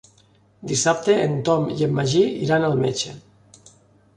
Dissabte en Tom i en Magí iran al metge.